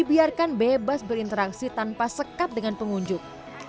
dibiarkan bebas berinteraksi tanpa sekat dengan pengunjung